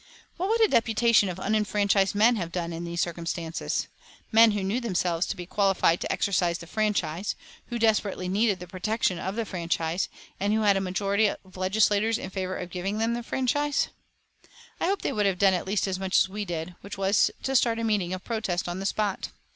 What would a deputation of unenfranchised men have done in these circumstances men who knew themselves to be qualified to exercise the franchise, who desperately needed the protection of the franchise, and who had a majority of legislators in favour of giving them the franchise? I hope they would have done at least as much as we did, which was to start a meeting of protest on the spot.